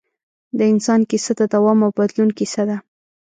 د انسان کیسه د دوام او بدلون کیسه ده.